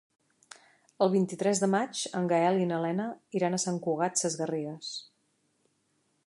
El vint-i-tres de maig en Gaël i na Lena iran a Sant Cugat Sesgarrigues.